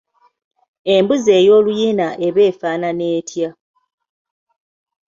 Embuzi ey’oluyina eba efaanana etya?